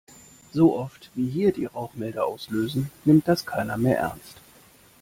So oft, wie hier die Rauchmelder auslösen, nimmt das keiner mehr ernst.